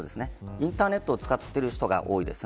インターネットを使ってる人が多いです。